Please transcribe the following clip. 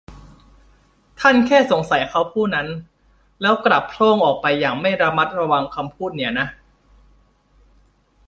ท่านแค่สงสัยเขาผู้นั้น แล้วกลับโพล่งออกไปอย่างไม่ระมัดระวังคำพูดเนี่ยนะ